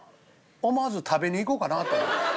思わず食べに行こかなと思た。